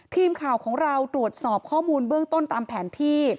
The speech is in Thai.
ทีมข่าวของเราตรวจสอบข้อมูลเบื้องต้นตามแผนที่